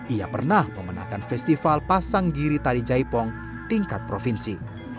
ia pernah memenangkan festival pasanggiri tari jaipong tingkat provinsi